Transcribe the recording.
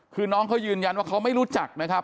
คือน้องเขายืนยันว่าเขาไม่รู้จักนะครับ